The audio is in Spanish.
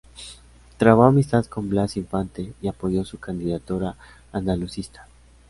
Trabó amistad con Blas Infante, y apoyó su candidatura andalucista.